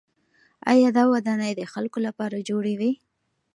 آیا دا ودانۍ د خلکو لپاره جوړې وې؟